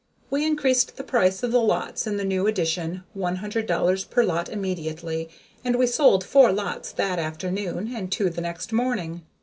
We increased the price of the lots in the new addition one hundred dollars per lot immediately, and we sold four lots that afternoon and two the next morning.